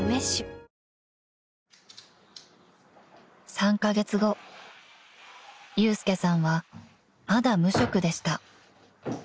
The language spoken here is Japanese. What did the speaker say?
［３カ月後祐介さんはまだ無職でした］